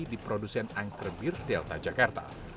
di produsen angker bir delta jakarta